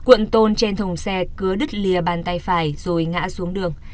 cuộn tôn trên thùng xe cứa đứt lìa bàn tay phải rồi ngã xuống đường